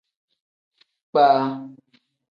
Kpaa.